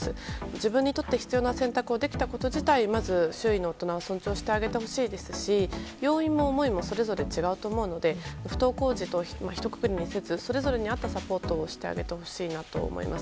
自分にとって必要な選択をできたこと自体に周囲の大人たちは尊重してあげてほしいですし要因も思いもそれぞれ違うと思うので不登校児とひとくくりにせずそれぞれに合ったサポートをしてほしいです。